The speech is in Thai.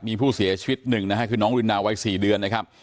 มีผู้เสียชีวิตหนึ่งนะฮะคือน้องรินนาวัย๔เดือนนะครับ